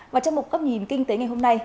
và trong một góc nhìn kinh tế ngày hôm nay